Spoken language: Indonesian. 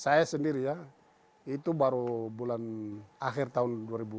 saya sendiri ya itu baru bulan akhir tahun dua ribu dua puluh